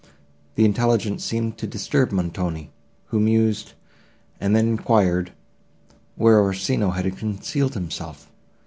The intelligence seemed to disturb Montoni, who mused, and then enquired, where Orsino had concealed himself.